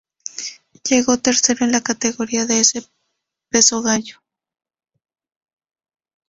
Llegó tercero en la categoría de peso gallo.